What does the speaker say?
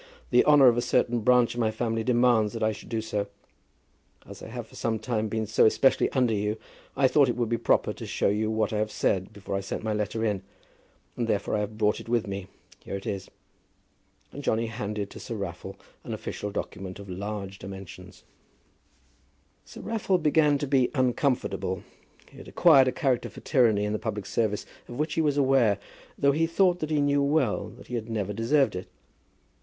The honour of a certain branch of my family demands that I should do so. As I have for some time been so especially under you, I thought it would be proper to show you what I have said before I send my letter in, and therefore I have brought it with me. Here it is." And Johnny handed to Sir Raffle an official document of large dimensions. Sir Raffle began to be uncomfortable. He had acquired a character for tyranny in the public service of which he was aware, though he thought that he knew well that he had never deserved it.